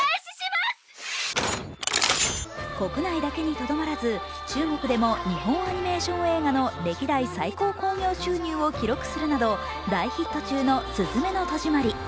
国内だけにとどまらず、中国でも日本アニメーション映画の歴代最高興行収入を記録するなど大ヒット中の「すずめの戸締まり」。